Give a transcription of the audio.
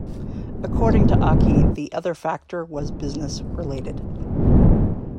According to Aki, the other factor was business-related.